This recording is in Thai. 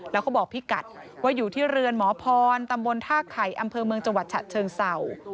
แล้วเขาบอกพี่กัดว่าอยู่ที่เรือนหมอพรตำบลท่าไข่อำเภอเมืองจังหวัดฉะเชิงเศร้า